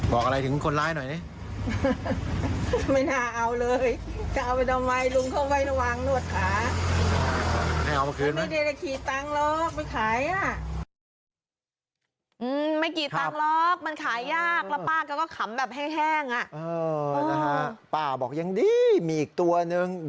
มาตั้งได้ประมาณปีฝ่าแล้ว